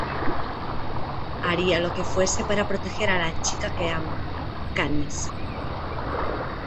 Haría lo que fuese para proteger a la chica que ama, Katniss.